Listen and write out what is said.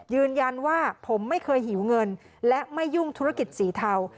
ยืนยันว่าผมไม่เคยหิวเงินและไม่ยุ่งธุรกิจสีเทา